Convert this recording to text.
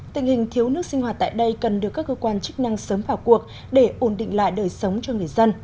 tình hình thiếu nước sinh hoạt tại đây cần được các cơ quan chức năng sớm vào cuộc để ổn định lại đời sống cho người dân